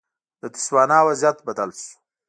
د تسوانا وضعیت بدل شو.